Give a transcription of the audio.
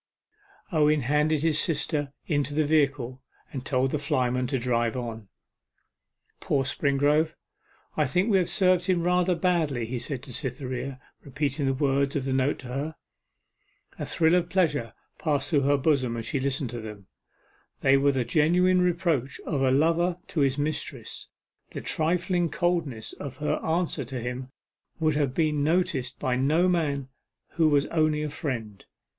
Owen handed his sister into the vehicle, and told the flyman to drive on. 'Poor Springrove I think we have served him rather badly,' he said to Cytherea, repeating the words of the note to her. A thrill of pleasure passed through her bosom as she listened to them. They were the genuine reproach of a lover to his mistress; the trifling coldness of her answer to him would have been noticed by no man who was only a friend.